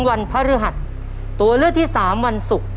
บ่อน้ำอธิษฐาน